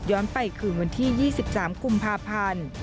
ไปคืนวันที่๒๓กุมภาพันธ์